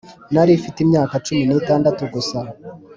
nari mfite imyaka cumi nitandatu gusa